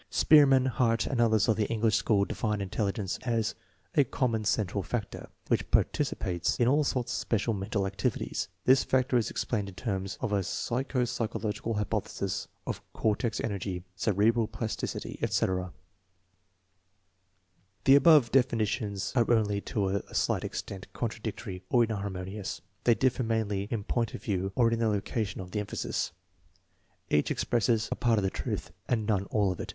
Spearman, Hurt, and others of the English school define THE BINET SIMON METHOD 47 intelligence as a " common central factor " which partici pates in all sorts of special mental activities. This factor is explained in terms of a psycho physiological hypothesis of " cortex energy," " cerebral plasticity," etc. The above definitions are only to a slight extent con tradictory or inharmonious. They differ mainly in point of view or in the location of the emphasis. Each expresses a part of the truth, and none all of it.